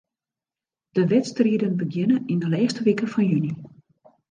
De wedstriden begjinne yn 'e lêste wike fan juny.